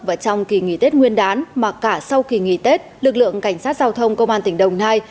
và trong kỳ nghỉ tết nguyên đán mà cả sau kỳ nghỉ tết lực lượng cảnh sát giao thông công an tỉnh đồng nai